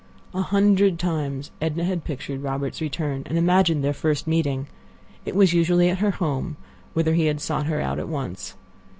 A hundred times Edna had pictured Robert's return, and imagined their first meeting. It was usually at her home, whither he had sought her out at once.